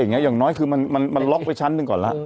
อย่างน้อยคือมันล็อกไปชั้นหนึ่งก่อนแล้ว